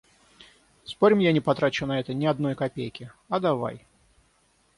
«Спорим, я не потрачу на это ни одной копейки?» — «А давай!»